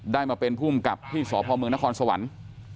ได้มาเป็นภูมิกับที่สพเมืองนครสวรรค์